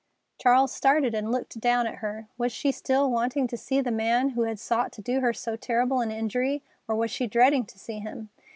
Charles started and looked down at her. Was she still wanting to see the man who had sought to do her so terrible an injury, or was she dreading to see him?